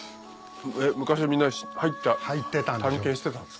昔はみんな入って探検してたんですか？